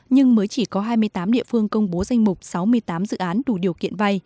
nhưng mới chỉ có hai mươi tám địa phương công bố danh mục sáu mươi tám dự án đủ điều kiện vay